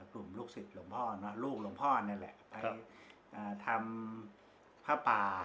กลุ่มลูกศิษย์หลวงพ่อเนอะลูกหลวงพ่อเนี่ยแหละครับอ่าทำผ้าป่า